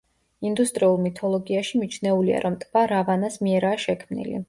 ინდუისტურ მითოლოგიაში მიჩნეულია, რომ ტბა რავანას მიერაა შექმნილი.